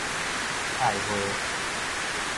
菜花